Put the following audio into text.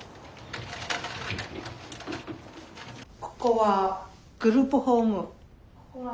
ここはグループホーム。